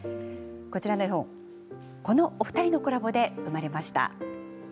こちらの絵本、このお二人のコラボで生まれました。